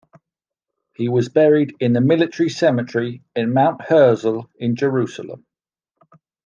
He was buried in the military cemetery in Mount Herzl in Jerusalem.